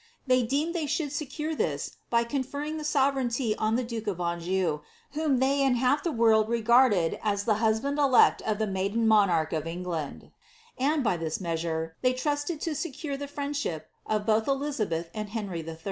They deemed they should secure this by conferring the sorereignty on the duke of Anjou, whom they and half the world re garded as the husband elect of the maiden monarch of Enffland ; and, by this measure, they trusted to secure the friendship of both Elizabeth and Hcniy III.